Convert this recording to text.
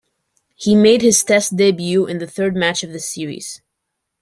He made his Test debut in the third match of the series.